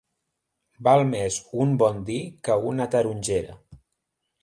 Val més un bon dir que una tarongera.